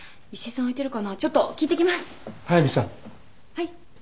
はい。